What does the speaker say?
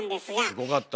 すごかった。